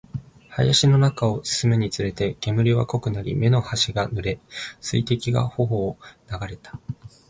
林の中を進むにつれて、煙は濃くなり、目の端が濡れ、水滴が頬を流れた